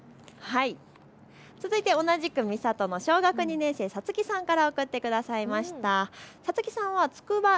同じく三郷の小学２年生、紗月さんが送ってくださいました。